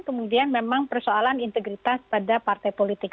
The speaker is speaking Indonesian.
kemudian memang persoalan integritas pada partai politik